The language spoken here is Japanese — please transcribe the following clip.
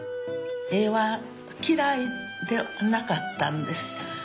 絵は嫌いではなかったんです。